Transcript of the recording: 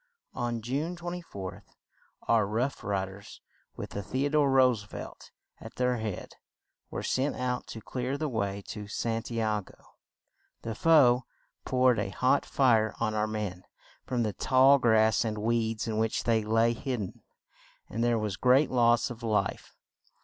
On June 24th our "Rough Ri ders," with The o dore Roose velt at their head, were sent out to clear the way to San ti a go. The foe poured a hot fire on our men from the tall grass and weeds in which they lay hid den; and there was great loss of life.